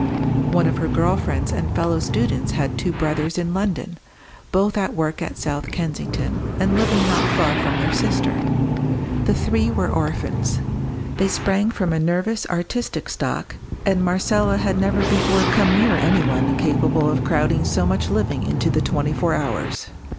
One of her girl friends and fellow students had two brothers in London, both at work at South Kensington, and living not far from their sister. The three were orphans. They sprang from a nervous, artistic stock, and Marcella had never before come near any one capable of crowding so much living into the twenty four hours.